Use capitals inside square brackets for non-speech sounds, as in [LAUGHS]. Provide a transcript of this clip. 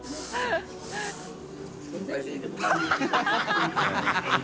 ハハハ [LAUGHS]